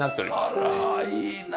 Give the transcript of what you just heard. あらいいな。